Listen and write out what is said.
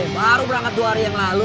baru berangkat dua hari yang lalu